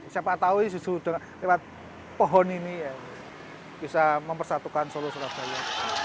siapa tahu sejauh pohon ini bisa mempersatukan sulu dan surabaya